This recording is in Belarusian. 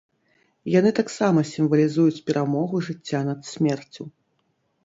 Яны таксама сімвалізуюць перамогу жыцця над смерцю.